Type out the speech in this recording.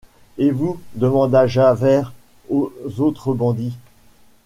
Et vous ? demanda Javert aux autres bandits.